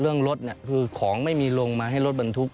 เรื่องรถคือของไม่มีลงมาให้รถบรรทุก